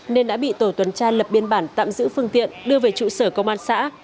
nên đã bị tổ tuần tra lập biên bản tạm giữ phương tiện đưa về trụ sở công an xã